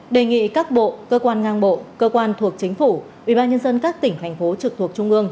đề nghị các bộ cơ quan ngang bộ cơ quan thuộc chính phủ ubnd các tỉnh thành phố trực thuộc trung ương